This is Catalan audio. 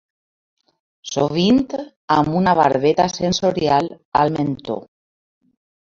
Sovint amb una barbeta sensorial al mentó.